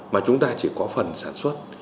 mà chúng ta chỉ có phần sản xuất